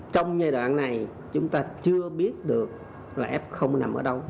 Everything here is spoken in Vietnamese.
trong giai đoạn này chúng ta chưa biết được là f không nằm ở đâu